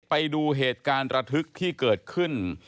ไปดูเหตุการณ์ระทึกที่เกิดขึ้น